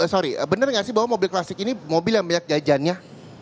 sorry bener gak sih bahwa mobil klasik ini mobil yang banyak jajan nya